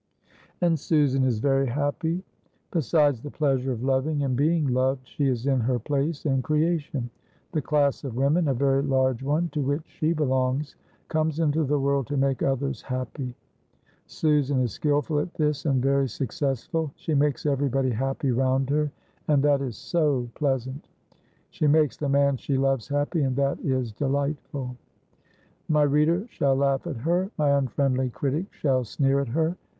And Susan is very happy. Besides the pleasure of loving and being loved, she is in her place in creation. The class of women (a very large one) to which she belongs comes into the world to make others happy. Susan is skillful at this and very successful. She makes everybody happy round her, "and that is so pleasant." She makes the man she loves happy, and that is delightful. My reader shall laugh at her; my unfriendly critic shall sneer at her.